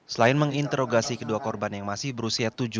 selain menginterogasi kedua korban yang masih berusia